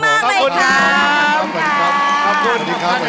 ขอบคุณค่ะ